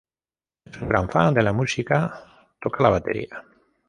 Es un gran fan de la música, toca la batería.